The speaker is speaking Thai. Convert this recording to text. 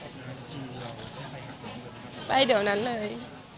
ใช่เดี๋ยวนั้นเลย